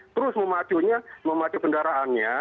terus memacunya memacu kendaraannya